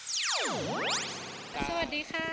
สวัสดีค่ะ